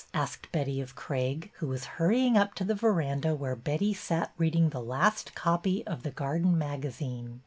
asked Betty of Craig, who was hurrying up to the veranda, where Betty sat reading the last copy of The Garden Magazine.